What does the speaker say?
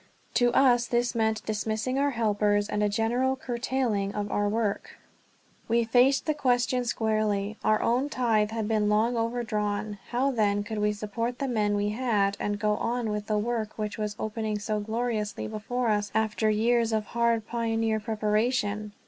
To us this meant dismissing helpers, and a general curtailing of our work. We faced the question squarely. Our own tithe had been long overdrawn. How then could we support the men we had, and go on with the work which was opening so gloriously before us after years of hard pioneer preparation?